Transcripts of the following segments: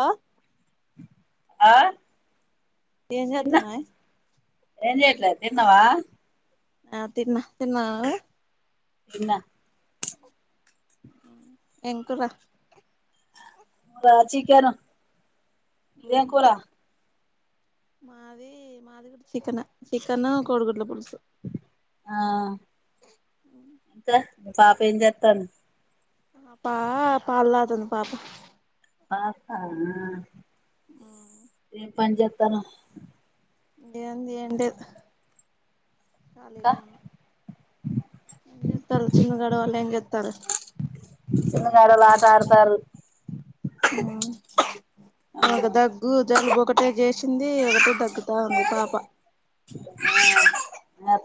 ఆహ్. ఆహ్. ఏంజేత్తున్నావే. ఏంజెట్లే! తిన్నవా? ఆహ్ తిన్నా. తిన్నావ నువ్వు. తిన్నా. ఏం కూరా. రా చికెను. మీదెం కూరా. మాది మాది గూడా చికెనే. చికెన్ కోడిగుడ్ల పులుసు. ఆహ్ ఇంకా మీ పాపెంజేత్తాంది. పా పాలు తాగుతుంది పాప. ఆహ్ అట్లనా. ఉమ్. ఏంజేత్తున్నావ్. ఏం చేయలేను ఇంకా [unintelligible] ఏం జేత్తారు చిన్నుగాడు వాల్లు ఏంజేతారు. చిన్నగాడోళ్ళు ఆట ఆడతారు ఆ మా ఒక దగ్గు. జలుబు ఒకటే చేసింది. ఒకటే దగ్గుతా ఉంది పాప.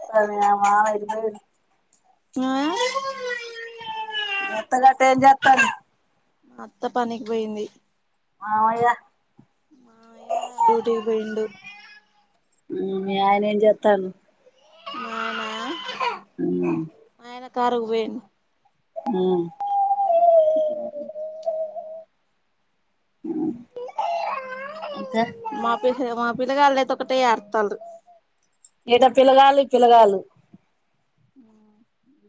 సర్ది మామ [unintelligible] ఉహ్. మీఅత్తగట ఏం జేత్తంరు. అత్త పనికి బోయింది. మావయ్య. మావయ్య డ్యూటీకి పోయిండు. ఉమ్ మీ ఆయన ఏం జేత్తండు. మా‌ ఆయనా. ఉమ్. షికారుకుబొయిండు. ఉమ్. ఇంకా. ఏహె మా పిల్లగాళ్ళైతే ఒకటే ఆడుత్తల్లు. ఏడ పిలగాల్లుకి పిలగాల్లు. ఆ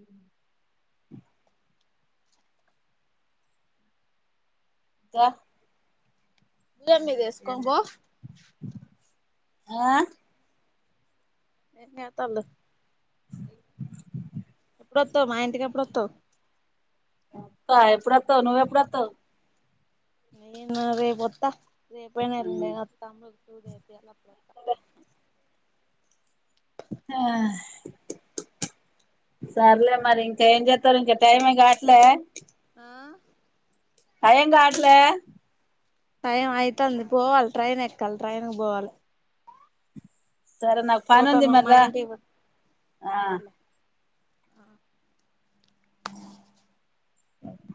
ఇంకా. భుజం మీదెసుకోనిబో. ఆ. ఏం జేత్తలు ఎప్పుడొత్తవ్ మా ఇంటికెప్పుడొత్తవ్ ఒత్త ఎప్పుడొత్తవ్ నువెప్పుడొత్తవ్ నేను రేపొత్తా రేపైనా ఎళ్ళుండైన ఒత్తా [unintelligible] సూది ఏపియల్ల అప్పుడు వత్తా అదే ఆ సర్లే మరి ఇంకా ఏం జేత్తలు ఇంక టైమే గాట్లే ఆ కావట్లే టైం ఐతాంది పోవాలి ట్రైన్ ఎక్కాలి ట్రైన్ గు బొవాలి సరే నాకు పనుంది మారి పోతానమ్మా రా. ఇంటికి పో ఆహ్. సరేలే అబ్బో.